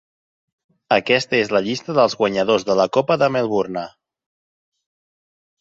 Aquesta és la llista dels guanyadors de la Copa de Melbourne.